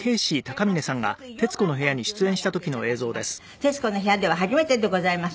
『徹子の部屋』では初めてでございます。